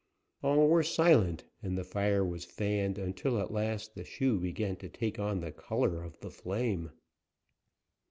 All were silent, and the fire was fanned until at last the shoe began to take on the color of the flame.